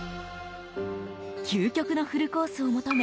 究極のフルコースを求め